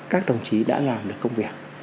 các đồng chí đã làm được công việc